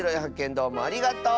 どうもありがとう！